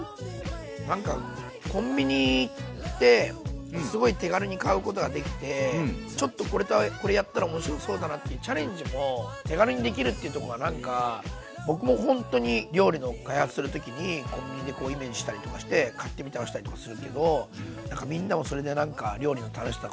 なんかコンビニ行ってすごい手軽に買うことができてちょっとこれとこれやったら面白そうだなっていうチャレンジも手軽にできるっていうとこがなんか僕もほんとに料理の開発する時にコンビニでイメージしたりとかして買ってみて合わせたりとかするけどみんなもそれでなんか料理の楽しさ